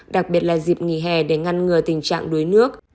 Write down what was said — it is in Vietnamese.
đặc biệt là dịp nghỉ hè để ngăn ngừa tình trạng đuối nước